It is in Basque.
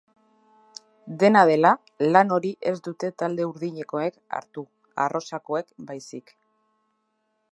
Dena dela, lan hori ez dute talde urdinekoek hartu, arrosakoek baizik.